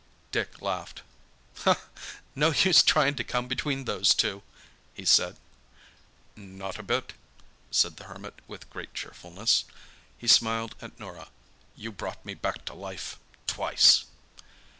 Dick laughed. "No use trying to come between those two," he said. "Not a bit," said the Hermit with great cheerfulness. He smiled at Norah. "You brought me back to life—twice."